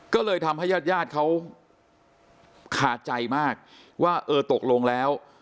ก็เลยทำให้ญาติญาติเขาขาดใจมากว่าเออตกลงแล้ว